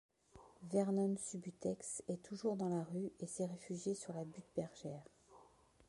Vernon Subutex est toujours dans la rue et s'est réfugié sur la butte Bergeyre.